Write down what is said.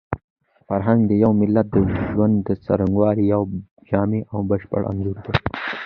فرهنګ د یو ملت د ژوند د څرنګوالي یو جامع او بشپړ انځور دی.